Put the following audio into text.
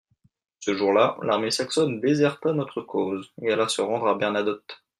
Ce jour-là, l'armée saxonne déserta notre cause, et alla se rendre à Bernadotte.